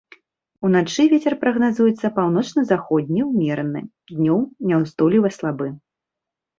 Уначы вецер прагназуецца паўночна-заходні ўмераны, днём няўстойлівы слабы.